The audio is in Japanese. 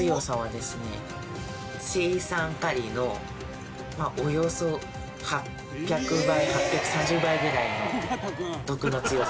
青酸カリのまあおよそ８００倍８３０倍ぐらいの毒の強さ。